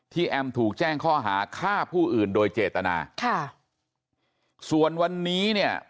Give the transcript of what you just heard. แอมถูกแจ้งข้อหาฆ่าผู้อื่นโดยเจตนาค่ะส่วนวันนี้เนี่ย